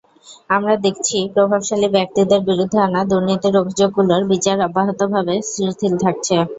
আমরা দেখছি, প্রভাবশালী ব্যক্তিদের বিরুদ্ধে আনা দুর্নীতির অভিযোগগুলোর বিচার অব্যাহতভাবে শিথিল থাকছে।